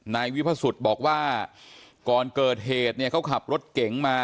นายวิพสุทธิ์บอกว่าก่อนเกิดเหตุเนี่ยเขาขับรถเก๋งมา